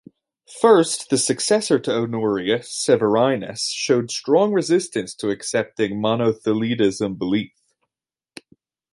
First, the successor to Honorius, Severinus, showed strong resistance to accepting Monothelitism belief.